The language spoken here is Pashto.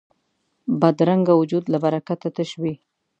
بدرنګه وجود له برکته تش وي